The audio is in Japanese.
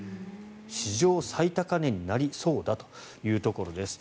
史上最高値になりそうだというところです。